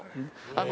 あの。